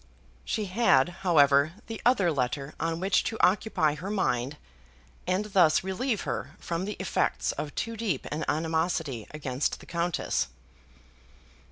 She had, however, the other letter on which to occupy her mind, and thus relieve her from the effects of too deep an animosity against the Countess.